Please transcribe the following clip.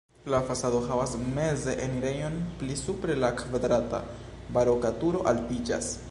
La fasado havas meze enirejon, pli supre la kvadrata baroka turo altiĝas.